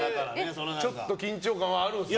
ちょっと緊張感があるんですか。